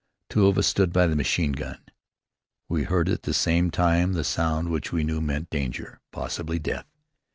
Two of us stood by the machine gun. We heard at the same time the sound which we knew meant danger, possibly death.